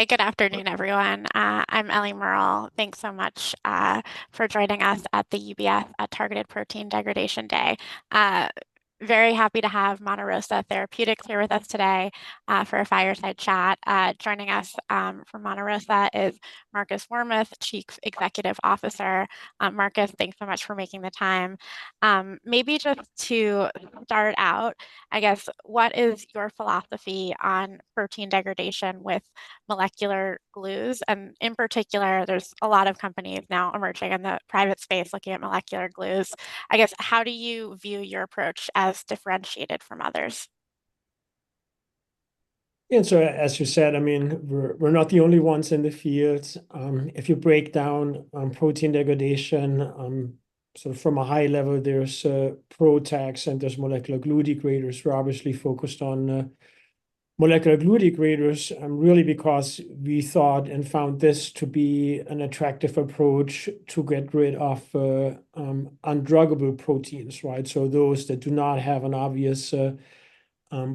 Hi, good afternoon, everyone. I'm Eliana Merle. Thanks so much for joining us at the UBS Targeted Protein Degradation Day. Very happy to have Monte Rosa Therapeutics here with us today for a fireside chat. Joining us from Monte Rosa is Markus Warmuth, Chief Executive Officer. Markus, thanks so much for making the time. Maybe just to start out, I guess, what is your philosophy on protein degradation with molecular glues? And in particular, there's a lot of companies now emerging in the private space looking at molecular glues. I guess, how do you view your approach as differentiated from others? Yeah, so as you said, I mean, we're, we're not the only ones in the field. If you break down protein degradation, so from a high level, there's PROTACs, and there's molecular glue degraders. We're obviously focused on molecular glue degraders, really because we thought and found this to be an attractive approach to get rid of undruggable proteins, right? So those that do not have an obvious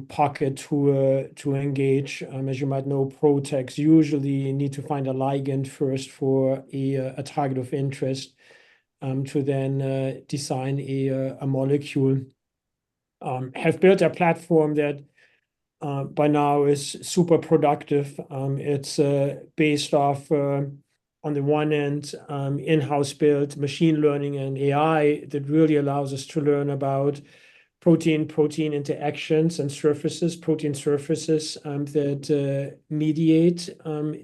pocket to engage. As you might know, PROTACs usually need to find a ligand first for a target of interest, to then design a molecule. Have built a platform that by now is super productive. It's based off on the one end, in-house built machine learning and AI that really allows us to learn about protein-protein interactions and surfaces, protein surfaces, that mediate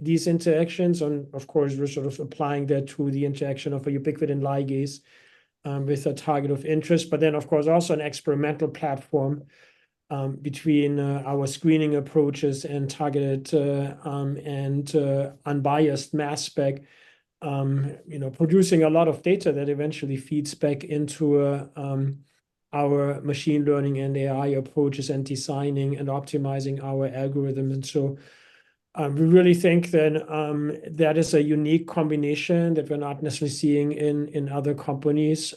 these interactions. And, of course, we're sort of applying that to the interaction of a ubiquitin ligase with a target of interest, but then, of course, also an experimental platform between our screening approaches and targeted and unbiased mass spec, you know, producing a lot of data that eventually feeds back into our machine learning and AI approaches, and designing and optimizing our algorithm. And so, we really think that that is a unique combination that we're not necessarily seeing in other companies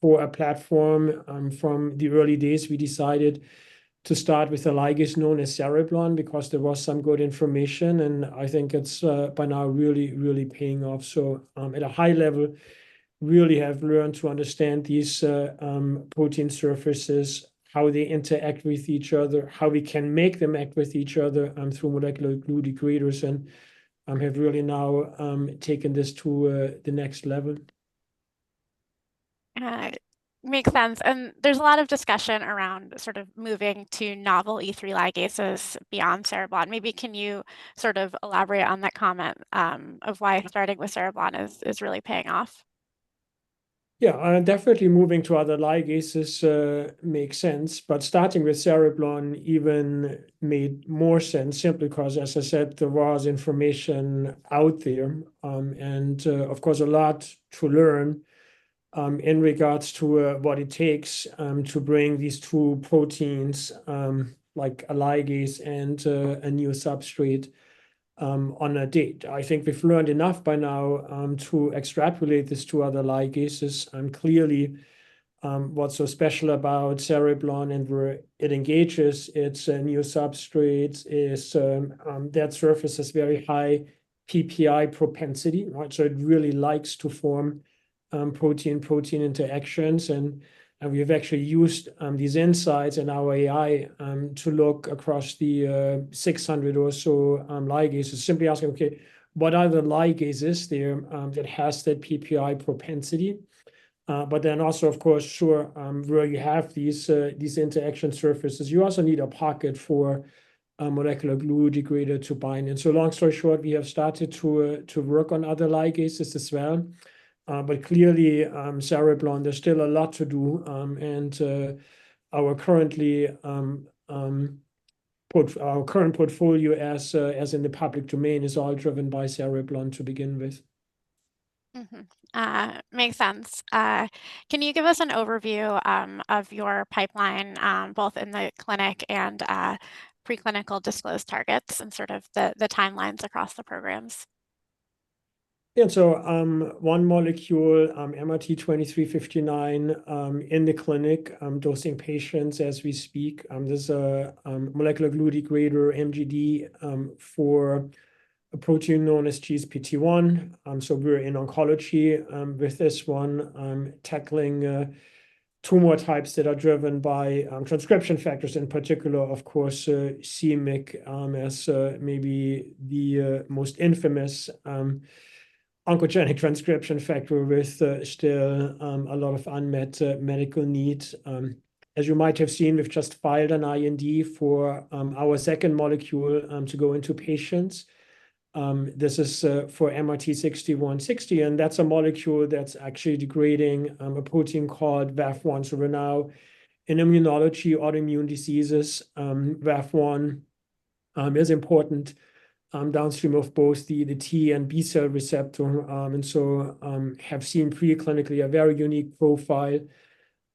for a platform. From the early days, we decided to start with a ligase known as Cereblon because there was some good information, and I think it's by now really, really paying off. So, at a high level, really have learned to understand these protein surfaces, how they interact with each other, how we can make them act with each other through molecular glue degraders, and have really now taken this to the next level. Makes sense. And there's a lot of discussion around sort of moving to novel E3 ligases beyond Cereblon. Maybe can you sort of elaborate on that comment, of why starting with Cereblon is really paying off? Yeah, definitely moving to other ligases makes sense, but starting with Cereblon even made more sense, simply because, as I said, there was information out there, and, of course, a lot to learn, in regards to, what it takes, to bring these two proteins, like a ligase and, a new substrate, on a date. I think we've learned enough by now, to extrapolate this to other ligases, and clearly, what's so special about Cereblon and where it engages its new substrates is, that surface has very high PPI propensity, right? So it really likes to form protein-protein interactions, and we've actually used these insights in our AI to look across the 600 or so ligases, simply asking, "Okay, what are the ligases there that has that PPI propensity?" But then also, of course, where you have these interaction surfaces, you also need a pocket for a molecular glue degrader to bind in. So long story short, we have started to work on other ligases as well, but clearly, Cereblon, there's still a lot to do, and our current portfolio as in the public domain is all driven by Cereblon to begin with. Mm-hmm. Makes sense. Can you give us an overview of your pipeline, both in the clinic and preclinical disclosed targets and sort of the timelines across the programs? Yeah. So, one molecule, MRT-2359, in the clinic, dosing patients as we speak. This is, molecular glue degrader, MGD, for a protein known as GSPT1. So we're in oncology, with this one, tackling, tumor types that are driven by, transcription factors, in particular, of course, c-Myc, as, maybe the, most infamous, oncogenic transcription factor with, still, a lot of unmet, medical needs. As you might have seen, we've just filed an IND for, our second molecule, to go into patients. This is, for MRT-6160, and that's a molecule that's actually degrading, a protein called VAV1. So we're now in immunology, autoimmune diseases, VAV1, is important, downstream of both the, the T and B-cell receptor. So, have seen preclinically a very unique profile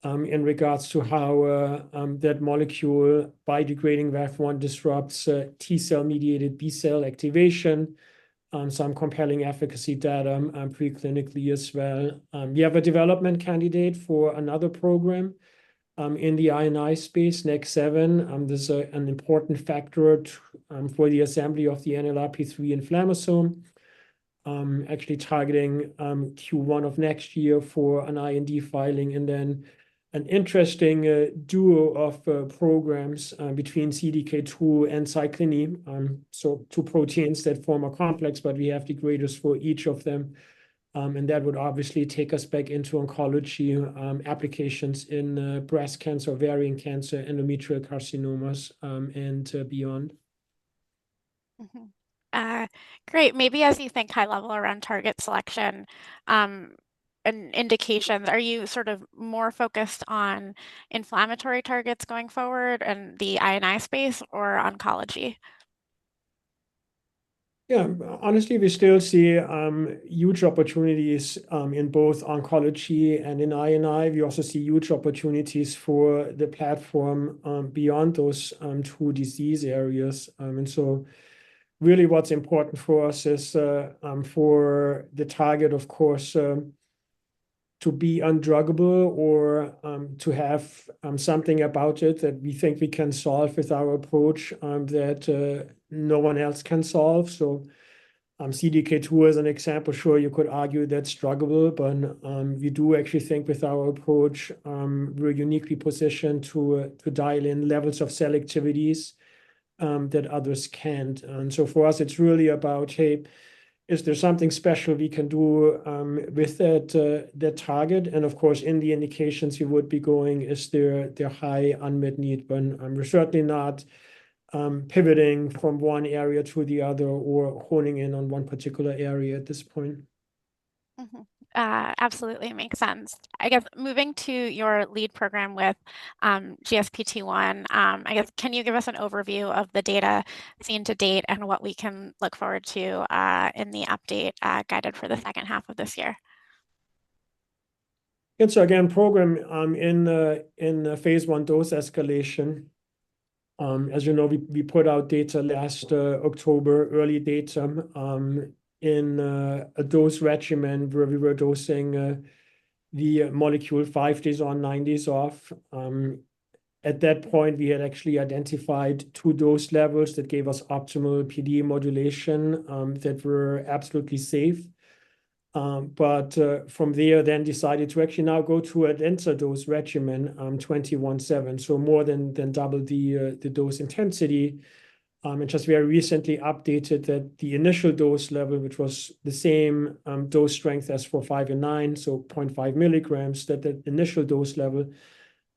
in regards to how that molecule, by degrading VAV1, disrupts T-cell-mediated B-cell activation, some compelling efficacy data preclinically as well. We have a development candidate for another program in the I&I space, NEK7. This is an important factor for the assembly of the NLRP3 inflammasome, actually targeting Q1 of next year for an IND filing, and then an interesting duo of programs between CDK2 and Cyclin E. So two proteins that form a complex, but we have degraders for each of them. And that would obviously take us back into oncology applications in breast cancer, ovarian cancer, endometrial carcinomas, and beyond. Mm-hmm. Great. Maybe as you think high level around target selection and indications, are you sort of more focused on inflammatory targets going forward and the I&I space, or oncology? Yeah. Honestly, we still see huge opportunities in both oncology and in I&I. We also see huge opportunities for the platform beyond those two disease areas. And so really what's important for us is for the target, of course, to be undruggable or to have something about it that we think we can solve with our approach that no one else can solve. So, CDK2, as an example, sure, you could argue that's druggable, but we do actually think with our approach we're uniquely positioned to dial in levels of selectivities that others can't. And so for us, it's really about, hey, is there something special we can do with that target? And of course, in the indications you would be going, is there, the high unmet need, but, we're certainly not pivoting from one area to the other or honing in on one particular area at this point. Mm-hmm. Absolutely. Makes sense. I guess, moving to your lead program with GSPT1, I guess, can you give us an overview of the data seen to date and what we can look forward to in the update guided for the second half of this year? And so again, program, in the Phase 1 dose escalation, as you know, we put out data last October, early data, in a dose regimen where we were dosing the molecule 5 days on, 9 days off. At that point, we had actually identified 2 dose levels that gave us optimal PD modulation, that were absolutely safe. But from there, then decided to actually now go to a denser dose regimen, 21/7, so more than double the dose intensity. And just, we are recently updated that the initial dose level, which was the same dose strength as for 5 and 9, so 0.5 milligrams, that the initial dose level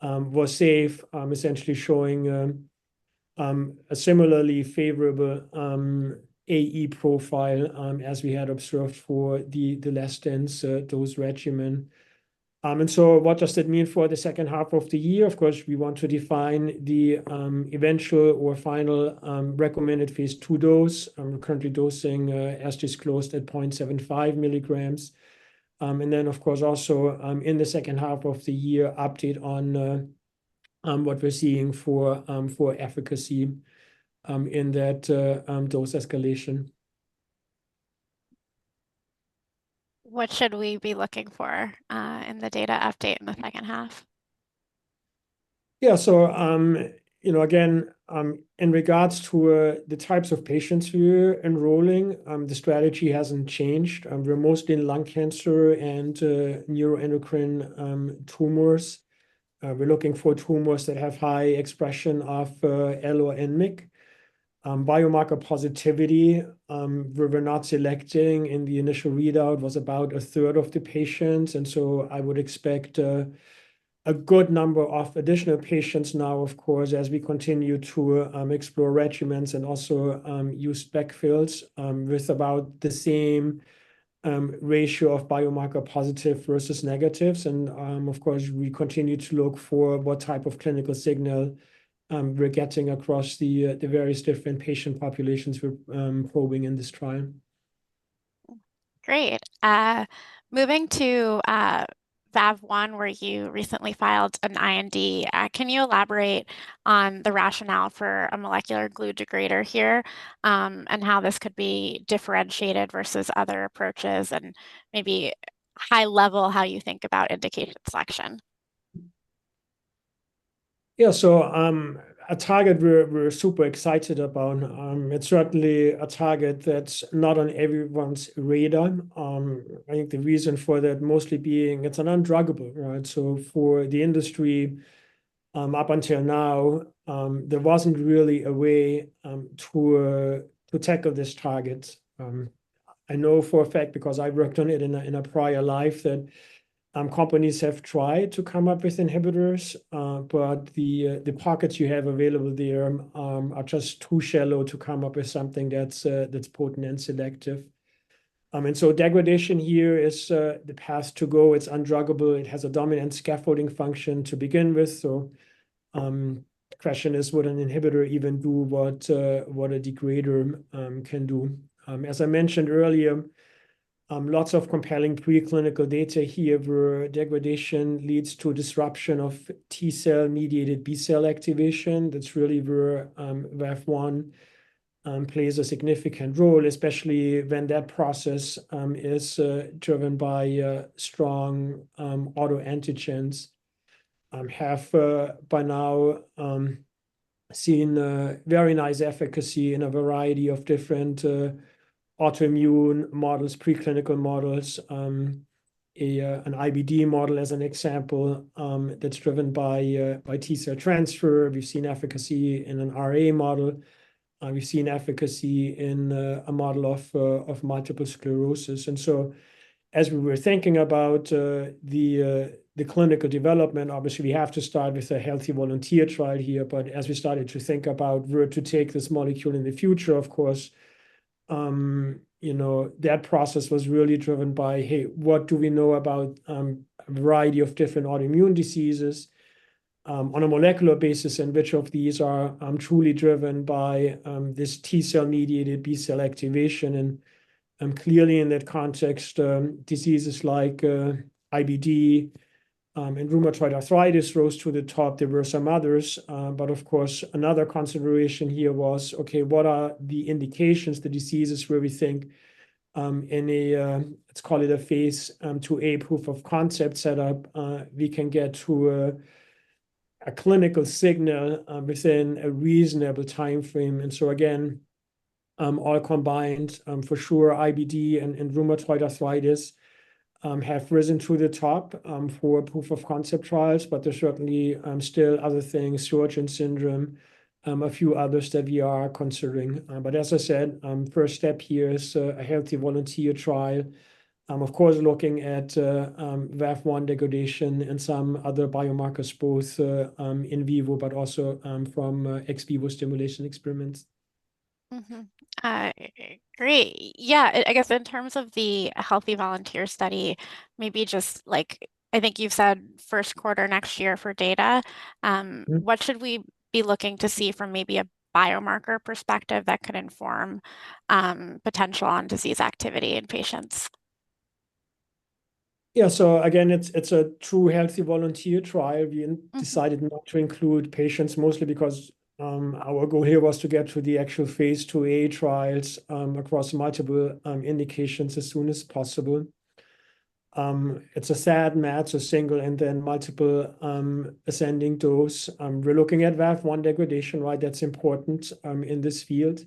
was safe, essentially showing a similarly favorable AE profile as we had observed for the less dense dose regimen. So what does that mean for the second half of the year? Of course, we want to define the eventual or final recommended Phase 2 dose. We're currently dosing, as disclosed, at 0.75 milligrams. And then, of course, also in the second half of the year, update on what we're seeing for efficacy in that dose escalation. What should we be looking for in the data update in the second half? Yeah. So, you know, again, in regards to the types of patients we're enrolling, the strategy hasn't changed. We're mostly in lung cancer and neuroendocrine tumors. We're looking for tumors that have high expression of L-Myc and c-Myc. Biomarker positivity, we were not selecting in the initial readout, was about a third of the patients, and so I would expect a good number of additional patients now, of course, as we continue to explore regimens and also use backfills with about the same ratio of biomarker positive versus negatives. And, of course, we continue to look for what type of clinical signal we're getting across the various different patient populations we're probing in this trial. Great. Moving to VAV1, where you recently filed an IND, can you elaborate on the rationale for a molecular glue degrader here, and how this could be differentiated versus other approaches, and maybe high level, how you think about indication selection? Yeah. So, a target we're super excited about. It's certainly a target that's not on everyone's radar. I think the reason for that mostly being it's an undruggable, right? So for the industry, up until now, there wasn't really a way to tackle this target. I know for a fact, because I worked on it in a prior life, that companies have tried to come up with inhibitors, but the pockets you have available there are just too shallow to come up with something that's potent and selective. And so degradation here is the path to go. It's undruggable, it has a dominant scaffolding function to begin with. So, the question is, would an inhibitor even do what a degrader can do? As I mentioned earlier, lots of compelling preclinical data here, where degradation leads to disruption of T cell-mediated B cell activation. That's really where VAV1 plays a significant role, especially when that process is driven by strong autoantigens. have by now seen a very nice efficacy in a variety of different autoimmune models, preclinical models, an IBD model as an example, that's driven by T-cell transfer. We've seen efficacy in an RA model, and we've seen efficacy in a model of multiple sclerosis. So, as we were thinking about the clinical development, obviously, we have to start with a healthy volunteer trial here. But as we started to think about where to take this molecule in the future, of course, you know, that process was really driven by, "Hey, what do we know about a variety of different autoimmune diseases on a molecular basis, and which of these are truly driven by this T-cell-mediated B-cell activation?" Clearly, in that context, diseases like IBD and rheumatoid arthritis rose to the top. There were some others, but of course, another consideration here was, okay, what are the indications, the diseases where we think in a let's call it a Phase 2a proof of concept setup we can get to a clinical signal within a reasonable timeframe? And so again, all combined, for sure, IBD and rheumatoid arthritis have risen to the top for proof of concept trials, but there's certainly still other things, Sjögren's syndrome, a few others that we are considering. But as I said, first step here is a healthy volunteer trial. Of course, looking at VAV1 degradation and some other biomarkers, both in vivo, but also from ex vivo stimulation experiments. Mm-hmm. Great. Yeah, I guess in terms of the healthy volunteer study, maybe just, like, I think you've said first quarter next year for data- Mm-hmm. What should we be looking to see from maybe a biomarker perspective that could inform potential on disease activity in patients? Yeah, so again, it's, it's a true healthy volunteer trial. Mm-hmm. We decided not to include patients, mostly because, our goal here was to get to the actual Phase 2a trials, across multiple, indications as soon as possible. It's a SAD, MAD, a single, and then multiple, ascending dose. We're looking at VAV1 degradation, right? That's important, in this field.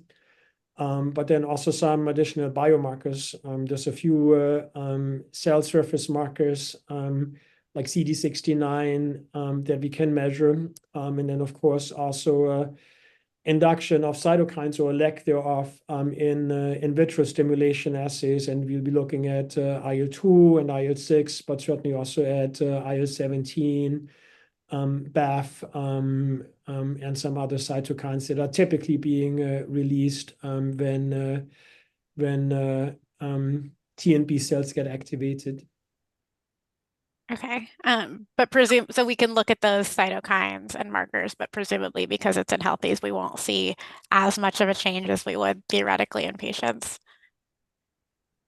But then also some additional biomarkers. There's a few, cell surface markers, like CD69, that we can measure. And then, of course, also, induction of cytokines or lack thereof, in in vitro stimulation assays, and we'll be looking at, IL-2 and IL-6, but certainly also at, IL-17, BAFF, and some other cytokines that are typically being, released, when, when, T and B cells get activated. Okay. But so we can look at those cytokines and markers, but presumably because it's in healthies, we won't see as much of a change as we would theoretically in patients.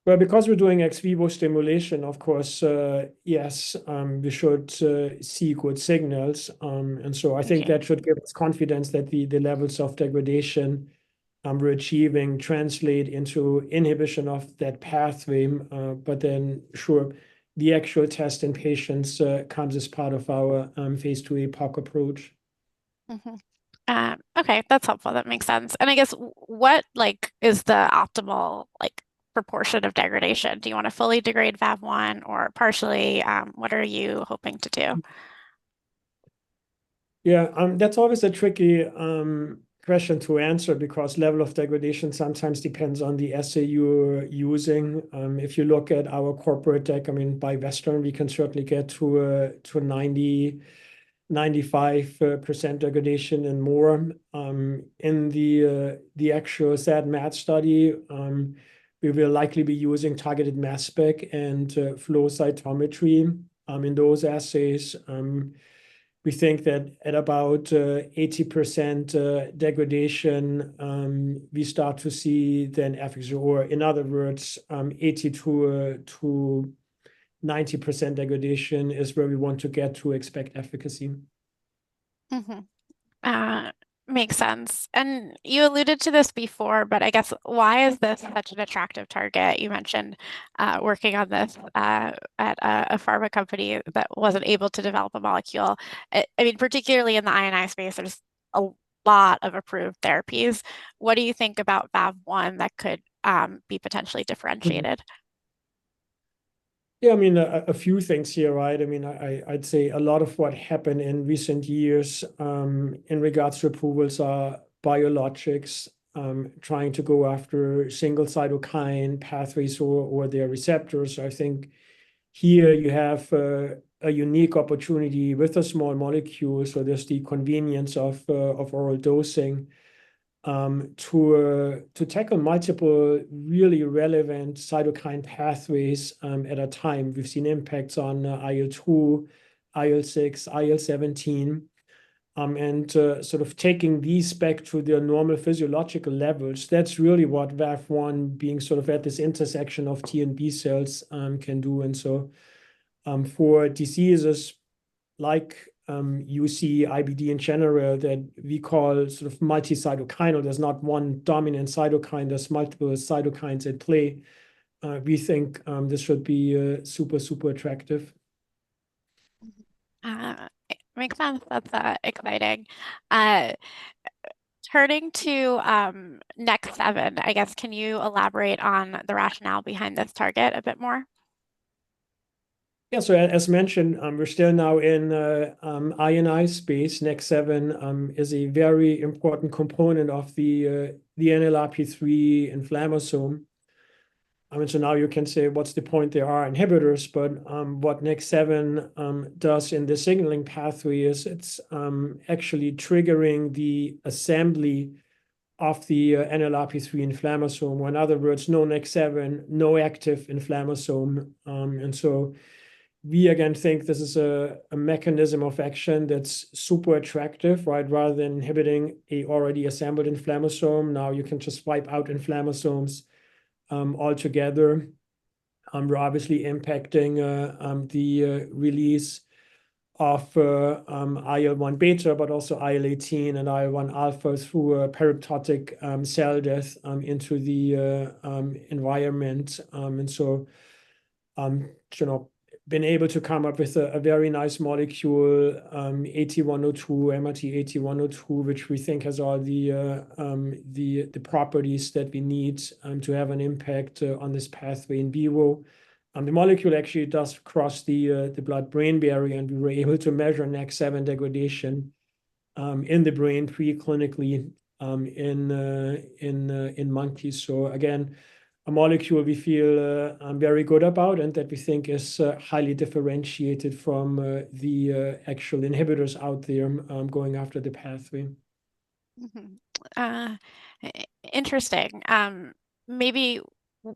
Well, because we're doing ex vivo stimulation, of course, yes, we should see good signals. And so- Okay I think that should give us confidence that the levels of degradation we're achieving translate into inhibition of that pathway. But then, sure, the actual test in patients comes as part of our Phase 2a PoC approach. Mm-hmm. Okay, that's helpful. That makes sense. I guess, what, like, is the optimal, like, proportion of degradation? Do you wanna fully degrade VAV1 or partially, what are you hoping to do? Yeah, that's always a tricky question to answer because level of degradation sometimes depends on the assay you're using. If you look at our corporate deck, I mean, by Western, we can certainly get to 90%-95% degradation and more. In the actual SAD/MAD study, we will likely be using targeted mass spec and flow cytometry. In those assays, we think that at about 80% degradation, we start to see then efficacy, or in other words, 80%-90% degradation is where we want to get to expect efficacy. Mm-hmm. Makes sense. And you alluded to this before, but I guess why is this such an attractive target? You mentioned working on this at a pharma company that wasn't able to develop a molecule. I mean, particularly in the I&I space, there's a lot of approved therapies. What do you think about VAV1 that could be potentially differentiated? Yeah, I mean, a few things here, right? I mean, I'd say a lot of what happened in recent years in regards to approvals are biologics trying to go after single cytokine pathways or their receptors. So I think here you have a unique opportunity with a small molecule, so there's the convenience of oral dosing to tackle multiple really relevant cytokine pathways at a time. We've seen impacts on IL-2, IL-6, IL-17, and sort of taking these back to their normal physiological levels, that's really what VAV1, being sort of at this intersection of T and B cells, can do. For diseases like UC IBD in general, that we call sort of multi-cytokine, or there's not one dominant cytokine, there's multiple cytokines at play, we think this should be super, super attractive. Makes sense. That's exciting. Turning to NEK7, I guess, can you elaborate on the rationale behind this target a bit more? Yeah. So as mentioned, we're still now in the I&I space. NEK7 is a very important component of the NLRP3 inflammasome. I mean, so now you can say, "What's the point? There are inhibitors," but what NEK7 does in the signaling pathway is it's actually triggering the assembly of the NLRP3 inflammasome, or in other words, no NEK7, no active inflammasome. And so we, again, think this is a mechanism of action that's super attractive, right? Rather than inhibiting a already assembled inflammasome, now you can just wipe out inflammasomes altogether. We're obviously impacting the release of IL-1 beta, but also IL-18 and IL-1 alpha through a proapoptotic cell death into the environment. And so, you know, been able to come up with a very nice molecule, MRT-8102, which we think has all the properties that we need to have an impact on this pathway in vivo. The molecule actually does cross the blood-brain barrier, and we were able to measure NEK7 degradation in the brain preclinically in monkeys. So again, a molecule we feel very good about and that we think is highly differentiated from the actual inhibitors out there going after the pathway. Mm-hmm. Interesting. Maybe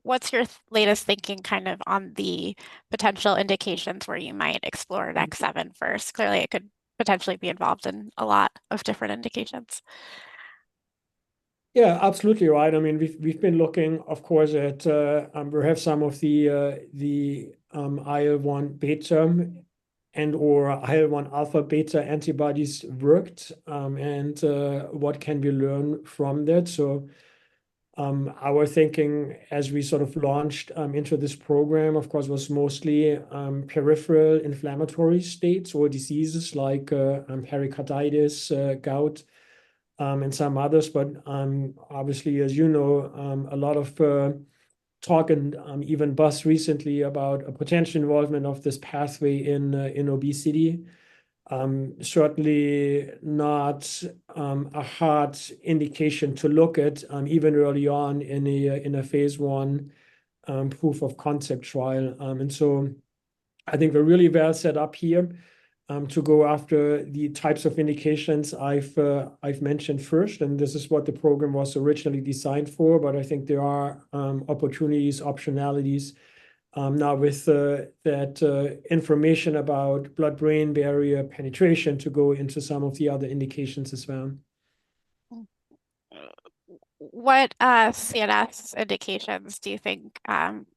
what's your latest thinking kind of on the potential indications where you might explore NEK7 first? Clearly, it could potentially be involved in a lot of different indications. Yeah, absolutely right. I mean, we've been looking, of course, at perhaps some of the the IL-1 beta and/or IL-1 alpha/beta antibodies worked, and what can we learn from that? So, our thinking as we sort of launched into this program, of course, was mostly peripheral inflammatory states or diseases like pericarditis, gout, and some others. But, obviously, as you know, a lot of talk and even buzz recently about a potential involvement of this pathway in obesity. Certainly not a hard indication to look at even early on in a Phase 1 proof of concept trial. I think we're really well set up here to go after the types of indications I've mentioned first, and this is what the program was originally designed for, but I think there are opportunities, optionalities now with that information about blood-brain barrier penetration to go into some of the other indications as well. What CNS indications do you think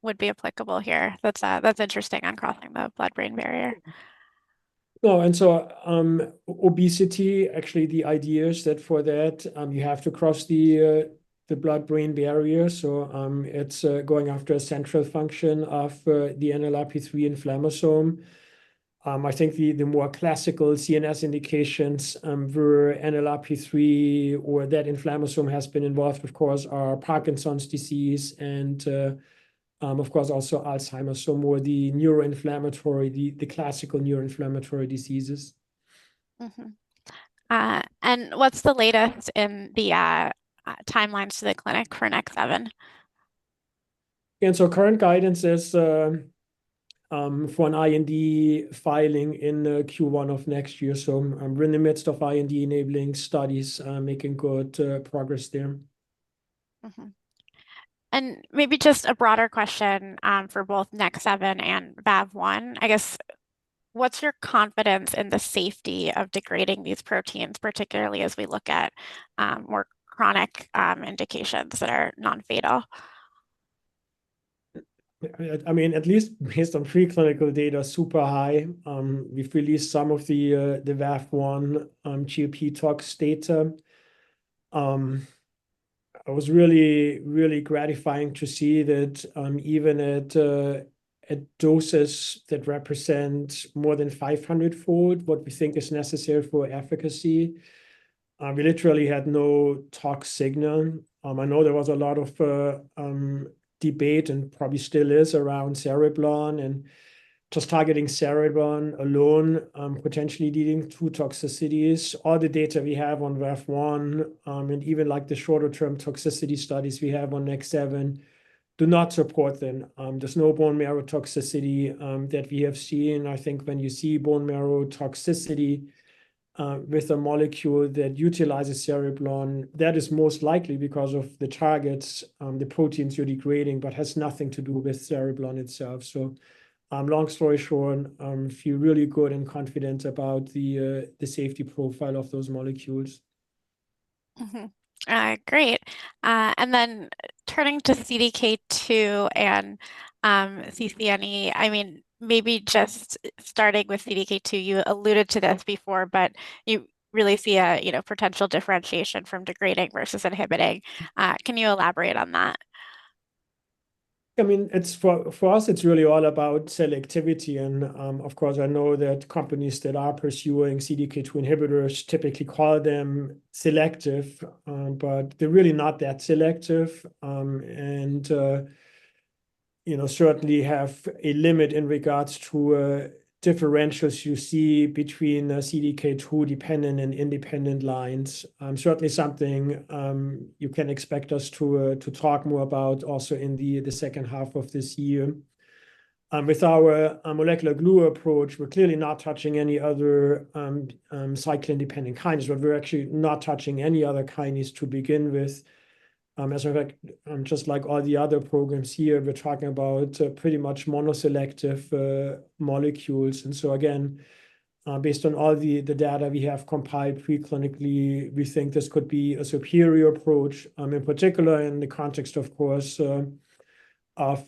would be applicable here? That's that's interesting on crossing the blood-brain barrier. No, and so, obesity, actually, the idea is that for that, you have to cross the blood-brain barrier. So, it's going after a central function of the NLRP3 inflammasome. I think the more classical CNS indications for NLRP3 or that inflammasome has been involved, of course, are Parkinson's disease and, of course, also Alzheimer's. So more the neuroinflammatory, the classical neuroinflammatory diseases. Mm-hmm. And what's the latest in the timelines to the clinic for NEK7? So current guidance is for an IND filing in Q1 of next year. So I'm in the midst of IND-enabling studies, making good progress there. Mm-hmm. Maybe just a broader question for both NEK7 and VAV1. I guess, what's your confidence in the safety of degrading these proteins, particularly as we look at more chronic indications that are non-fatal? I mean, at least based on preclinical data, super high. We've released some of the, the VAV1, GLP tox data. It was really, really gratifying to see that, even at, at doses that represent more than 500-fold, what we think is necessary for efficacy, we literally had no tox signal. I know there was a lot of, debate, and probably still is, around cereblon and just targeting cereblon alone, potentially leading to toxicities. All the data we have on VAV1, and even, like, the shorter-term toxicity studies we have on NEK7, do not support them. There's no bone marrow toxicity, that we have seen. I think when you see bone marrow toxicity, with a molecule that utilizes Cereblon, that is most likely because of the targets, the proteins you're degrading, but has nothing to do with Cereblon itself. So, long story short, feel really good and confident about the safety profile of those molecules. Mm-hmm. Great. And then turning to CDK2 and CCNE, I mean, maybe just starting with CDK2, you alluded to this before, but you really see a, you know, potential differentiation from degrading versus inhibiting. Can you elaborate on that? I mean, it's for us, it's really all about selectivity, and of course, I know that companies that are pursuing CDK2 inhibitors typically call them selective, but they're really not that selective. And you know, certainly have a limit in regards to differentials you see between CDK2 dependent and independent lines. Certainly something you can expect us to talk more about also in the second half of this year. With our molecular glue approach, we're clearly not touching any other cyclin-dependent kinase, but we're actually not touching any other kinase to begin with. As a matter of fact, just like all the other programs here, we're talking about pretty much monoselective molecules. And so again, based on all the data we have compiled pre-clinically, we think this could be a superior approach, in particular, in the context, of course, of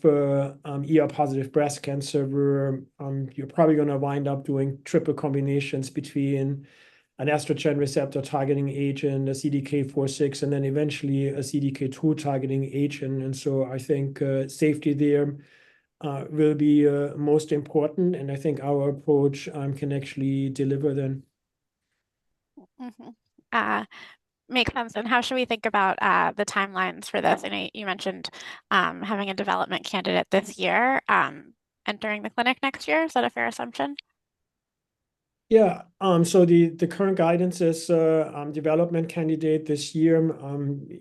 ER-positive breast cancer, where you're probably gonna wind up doing triple combinations between an estrogen receptor-targeting agent, a CDK4/6, and then eventually a CDK2 targeting agent. And so I think safety there will be most important, and I think our approach can actually deliver then. Mm-hmm. Makes sense. And how should we think about the timelines for this? I know you mentioned having a development candidate this year, entering the clinic next year. Is that a fair assumption? Yeah. So the current guidance is development candidate this year.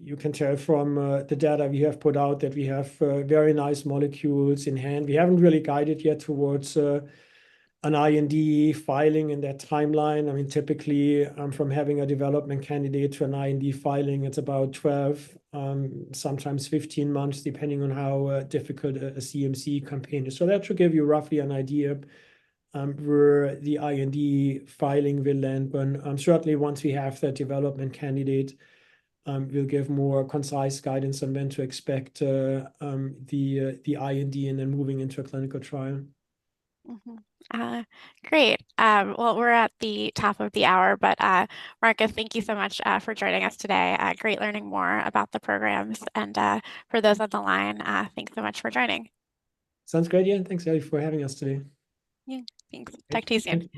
You can tell from the data we have put out that we have very nice molecules in hand. We haven't really guided yet towards an IND filing and that timeline. I mean, typically, from having a development candidate to an IND filing, it's about 12, sometimes 15 months, depending on how difficult a CMC campaign is. So that should give you roughly an idea where the IND filing will land. But certainly once we have that development candidate, we'll give more concise guidance on when to expect the IND and then moving into a clinical trial. Mm-hmm. Great. Well, we're at the top of the hour, but Markus, thank you so much for joining us today. Great learning more about the programs and, for those on the line, thanks so much for joining. Sounds great. Yeah, thanks, Ellie, for having us today. Yeah, thanks. Talk to you soon.